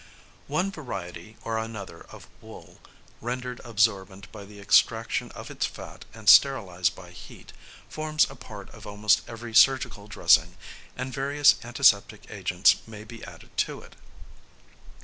One variety or another of wool, rendered absorbent by the extraction of its fat, and sterilised by heat, forms a part of almost every surgical dressing, and various antiseptic agents may be added to it.